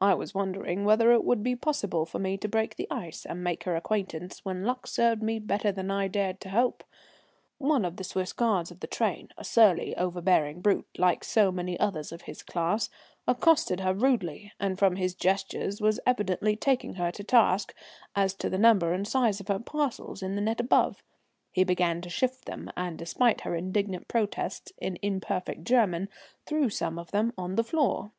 I was wondering whether it would be possible for me to break the ice and make her acquaintance, when luck served me better than I dared to hope. One of the Swiss guards of the train, a surly, overbearing brute, like so many others of his class, accosted her rudely, and from his gestures was evidently taking her to task as to the number and size of her parcels in the net above. He began to shift them, and, despite her indignant protests in imperfect German, threw some of them on the floor.